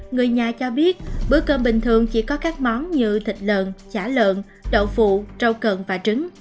người nhà cho biết bữa cơm bình thường chỉ có các món như thịt lợn chả lợn đậu phụ rau cần và trứng